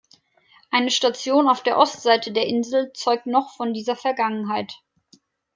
Eine Station auf der Ostseite der Insel zeugt noch von dieser Vergangenheit.